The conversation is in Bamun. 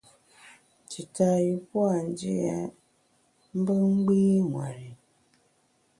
Tita yü pua’ ndia mbe gbî ṅweri.